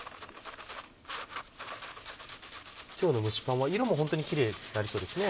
今日の蒸しパンは色もホントにキレイになりそうですね。